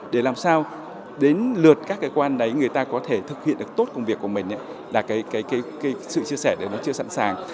để làm sao đến lượt các cơ quan đấy người ta có thể thực hiện được tốt công việc của mình là cái sự chia sẻ đấy nó chưa sẵn sàng